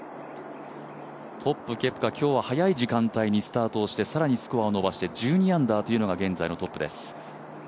トップ、ケプカ今日は早い時間帯にスタートして更にスコアを伸ばして１２アンダーというのが現在のトップです。